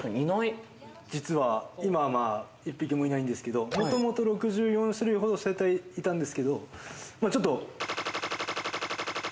実は今は１匹もいないんですけど、もともと６４種類ほどいたんですけど、ちょっと。